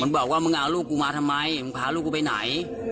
บอกว่ามึงเอาลูกกูมาทำไมมึงพาลูกกูไปไหน